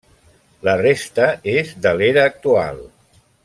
La resta és de l'era actual.